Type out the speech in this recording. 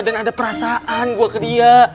dan ada perasaan gue ke dia